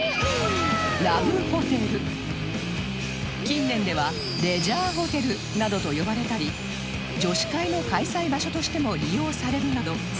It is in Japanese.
近年ではレジャーホテルなどと呼ばれたり女子会の開催場所としても利用されるなど様変わり